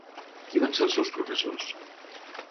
Qui van ser els seus professors?